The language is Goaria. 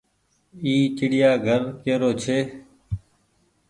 اي ڇڙيآ گهر ڪي رو ڇي۔